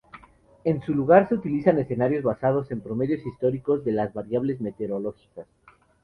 En su lugar se utilizan escenarios basados en promedios históricos de las variables meteorológicas.